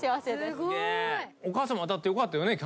お母さんも当たってよかったよね。